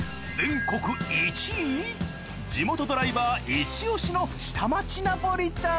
地元ドライバーイチオシの下町ナポリタン。